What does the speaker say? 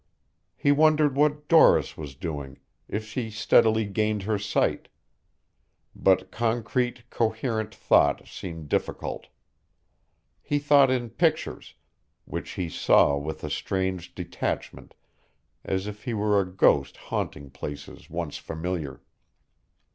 He wondered what Doris was doing, if she steadily gained her sight. But concrete, coherent thought seemed difficult. He thought in pictures, which he saw with a strange detachment as if he were a ghost haunting places once familiar.